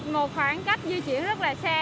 một khoảng cách di chuyển rất là xa